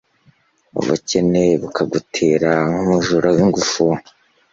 ubukene bukagutera nk'umujura w'ingufu